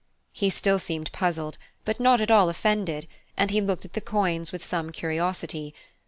He still seemed puzzled, but not at all offended; and he looked at the coins with some curiosity.